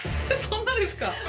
そんなですか？